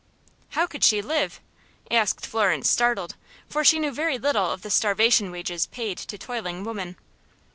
"How could she live?" asked Florence, startled, for she knew very little of the starvation wages paid to toiling women.